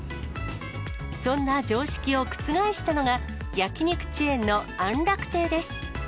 そんな常識を覆したのが、焼き肉チェーンの安楽亭です。